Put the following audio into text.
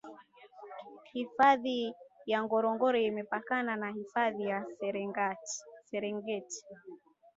hifadhi ya ngorongor imepakana na hifadhi ya serengeti